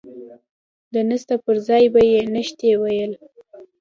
د نسته پر ځاى به يې نيشتې ويل.